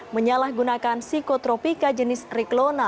menyalahgunakan psikotropika jenis riklona